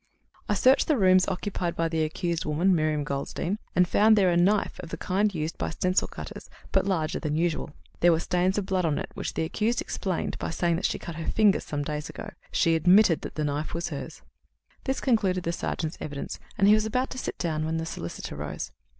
"I searched the rooms occupied by the accused woman, Miriam Goldstein, and found there a knife of the kind used by stencil cutters, but larger than usual. There were stains of blood on it which the accused explained by saying that she cut her finger some days ago. She admitted that the knife was hers." This concluded the sergeant's evidence, and he was about to sit down when the solicitor rose.